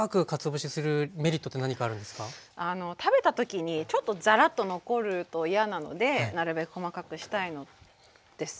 食べた時にちょっとザラッと残ると嫌なのでなるべく細かくしたいのです。